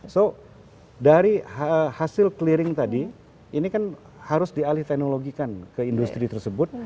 so dari hasil clearing tadi ini kan harus dialih teknologikan ke industri tersebut